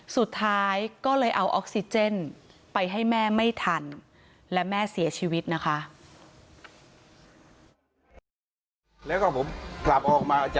สุดท้ายก็เลยเอาออกซิเจนไปให้แม่ไม่ทันและแม่เสียชีวิตนะคะ